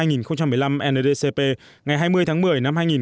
ndcp ngày hai mươi tháng một mươi